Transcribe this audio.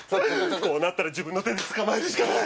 こうなったら自分の手で捕まえるしかない。